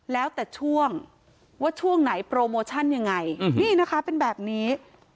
แล้วแต่ช่วงว่าช่วงไหนโปรโมชั่นยังไงนี่นะคะเป็นแบบนี้